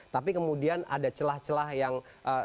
tapi kemudian ada celah celah yang